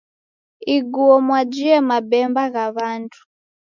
Iguo mwajie mabemba gha w'andu.